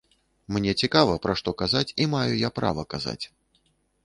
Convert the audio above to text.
Мне цікава, пра што казаць, і маю я права казаць.